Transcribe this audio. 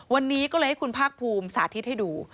วันนี้ก็เลยให้คุณภาคภูมิสาธิตให้ดู